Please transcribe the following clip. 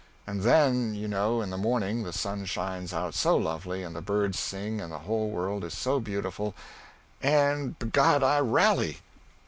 And then, you know, in the morning the sun shines out so lovely, and the birds sing and the whole world is so beautiful, and _b' God, I rally!